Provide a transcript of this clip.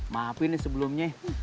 maafin nih sebelumnya